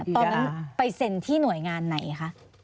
ตอนนั้นไปเซ็นที่หน่วยงานไหนคะ